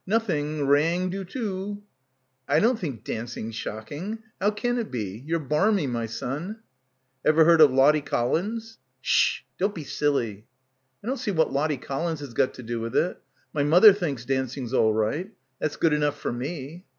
Nothing. Riang doo too." "J don't think dancing's shocking. How can it be? You're barmy, my son." "Ever heard of Lottie Collins?" "Ssh. Don't be silly." "I don't see* what Lottie Collins has got to do with it. My mother thinks dancing's all right. That's good enough for me."